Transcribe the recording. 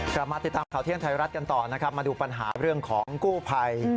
กลับมาติดตามขาวเที่ยงไทยรัฐกันต่อดูปัญหาเรื่องของกู้ไภ